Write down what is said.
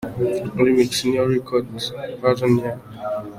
Remix ni iyo u recordinze version yawe.